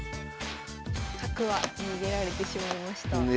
角は逃げられてしまいました。